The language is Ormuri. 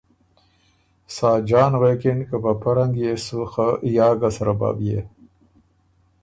ساجان غوېکِن که په پۀ رنګ يې سو خه یا ګه سرۀ بۀ بيې۔